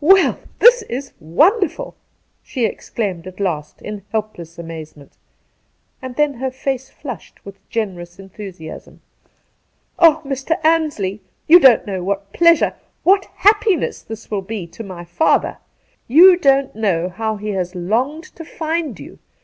'Well, this is wonderful!' she exclaimed at last in helpless amazement ; and then her face flushed with generous enthusiasm. ' Oh, Mr. Ansley, you don't know what pleasure, what happiness this will be to my father! You don't know how he has longed to find you.